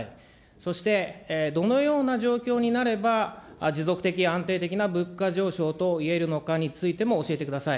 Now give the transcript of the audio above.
そしてどのような状況になれば、持続的、安定的な物価上昇といえるのかについても教えてください。